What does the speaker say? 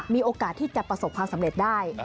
มีโอกาสที่จะประสบความสำเร็จได้